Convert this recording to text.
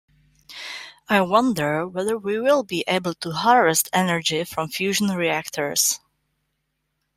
I wonder whether we will be able to harvest energy from fusion reactors.